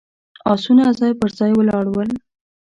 آسونه ځای پر ځای ولاړ ول.